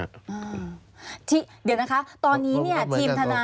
เดี๋ยวนะคะตอนนี้เนี่ยทีมทนาย